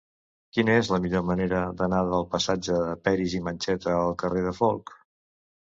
Quina és la millor manera d'anar del passatge de Peris i Mencheta al carrer de Folc?